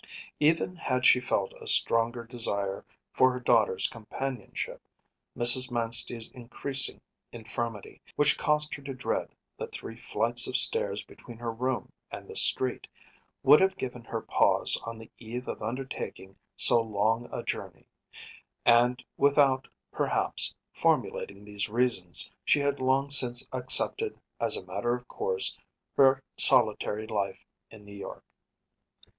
Even had she felt a stronger desire for her daughter’s companionship, Mrs. Manstey’s increasing infirmity, which caused her to dread the three flights of stairs between her room and the street, would have given her pause on the eve of undertaking so long a journey; and without perhaps, formulating these reasons she had long since accepted as a matter of course her solitary life in New York.